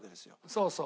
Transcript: そうそう。